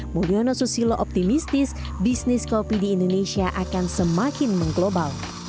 mulyono susilo optimistis bisnis kopi di indonesia akan semakin mengglobal